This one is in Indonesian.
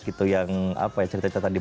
ada ini gak mas denny cerita cerita menarik